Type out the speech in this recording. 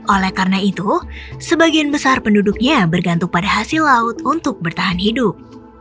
oleh karena itu sebagian besar penduduknya bergantung pada hasil laut untuk bertahan hidup